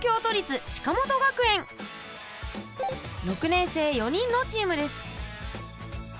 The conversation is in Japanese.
６年生４人のチームです。